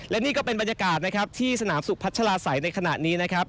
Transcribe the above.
และนี่ก็เป็นบรรยากาศนะครับที่สนามสุพัชลาศัยในขณะนี้นะครับ